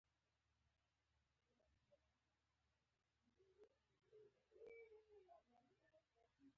آيا د الله له دين پرته كوم بل څه لټوي،